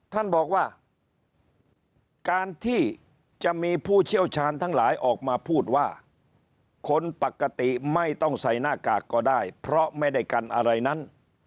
ท่านบอกว่าการที่จะมีผู้เชี่ยวชาญทั้งหลายออกมาพูดว่าคนปกติไม่ต้องใส่หน้ากากก็ได้เพราะไม่ได้กันอะไรนั้น